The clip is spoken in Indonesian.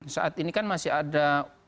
saat ini kan masih ada